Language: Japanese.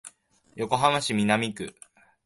横浜市南区